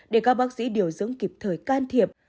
để các bác sĩ điều dưỡng kịp thời can thiệp